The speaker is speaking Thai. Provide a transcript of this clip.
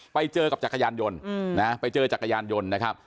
ไปเจอกับจักรยานยนต์นะไปเจอจักรยานยนต์นะครับ